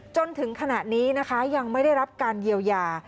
จนถึงขณะนี้นะคะยังไม่ได้รับการเยียวยา